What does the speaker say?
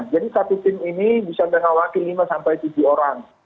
jadi satu tim ini bisa menawarkan lima sampai tujuh orang